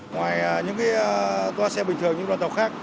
ngoài những cái toa xe bình thường như đoàn tàu khác